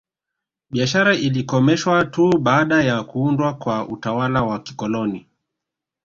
Biashara ilikomeshwa tu baada ya kuundwa kwa utawala wa kikoloni